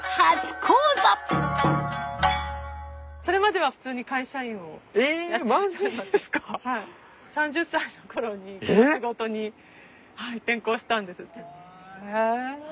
それまでは普通に会社員をやっていたんですが３０歳のころにこの仕事に転向したんです。